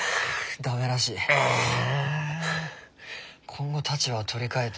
今後立場を取り替えて。